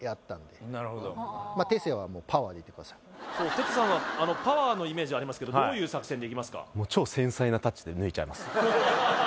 テセさんはパワーのイメージありますけどどういう作戦でいきますか？